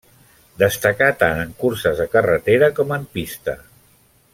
Destacà tant en curses de carretera com en pista.